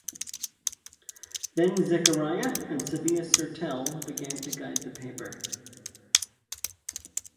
Then Zekeriya and Sabiha Sertel began to guide the paper.